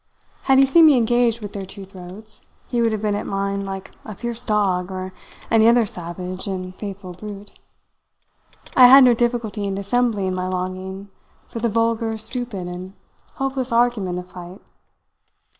Had he seen me engaged with their two throats, he would have been at mine like a fierce dog, or any other savage and faithful brute. I had no difficulty in dissembling my longing for the vulgar, stupid, and hopeless argument of fight.